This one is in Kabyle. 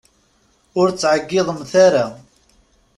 Ur ttɛeggiḍemt ara!